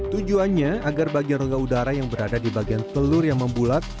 tujuannya agar bagian rongga udara yang berada di bagian telur yang membulat